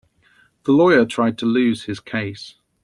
The lawyer tried to lose his case.